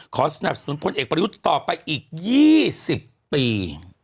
สนับสนุนพลเอกประยุทธ์ต่อไปอีก๒๐ปี